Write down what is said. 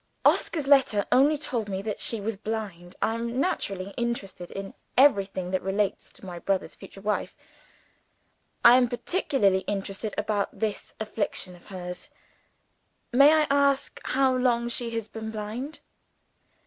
Oscar's letter only told me that she was blind. I am naturally interested in everything that relates to my brother's future wife. I am particularly interested about this affliction of hers. May I ask how long she has been blind?"